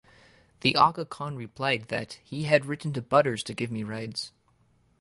The Aga Khan replied that he had written to Butters to give me rides.